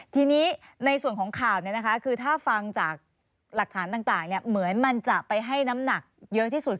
ทีนี้ในส่วนของข่าวคือถ้าฟังจากหลักฐานต่างเหมือนมันจะไปให้น้ำหนักเยอะที่สุด